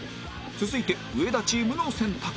続いて上田チームの選択